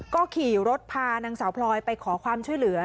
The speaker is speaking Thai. ก็ขี่รถพานางสาวพลอยไปขอความช่วยเหลือ